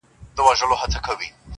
بلبلو باندي اوري آفتونه لکه غشي!